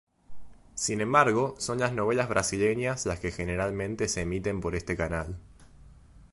Sin embargo, son las novelas brasileñas las que generalmente se emiten por este canal.